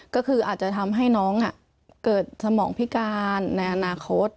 ก็คืออาจจะทำให้น้องเกิดสมองพิการในอนาคต